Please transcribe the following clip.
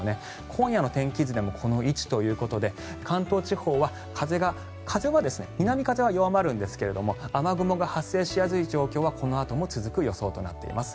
今夜の天気図でもこの位置ということで関東地方は南風は弱まるんですが雨雲が発生しやすい状況はこのあとも続く予想となっています。